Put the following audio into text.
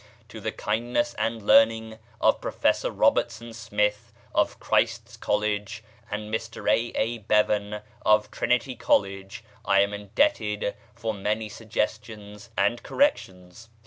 To the kindness and learning of Professor Robertson Smith, of Christ's College, and Mr A. A. Bevan, of Trinity College, I am indebted for many suggestions and corrections.